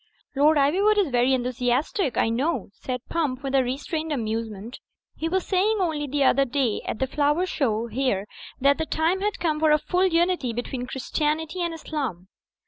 '* "Lord Ivywood is very enthusiastic, I know/' said Pump, with a restrained amusement. "He was saying only the other day at the Flower Show here that the time had come for a full unity between Christianity and Islam."